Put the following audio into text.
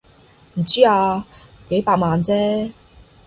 唔知啊，幾百萬啫